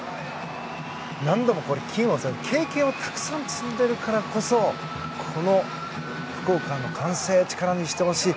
何度も金をとり経験をたくさん積んでるからこそこの福岡の歓声力にしてほしい。